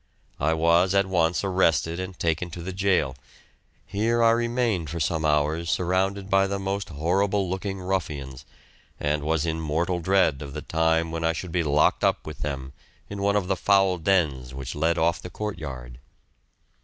I was at once arrested and taken to the jail. Here I remained for some hours surrounded by the most horrible looking ruffians, and was in mortal dread of the time when I should be locked up with them in one of the foul dens which led off the court yard.